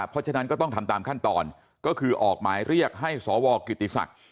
เพราะฉะนั้นก็ต้องทำตามขั้นตอนก็คือออกหมายเรียกให้สวกิติศักดิ์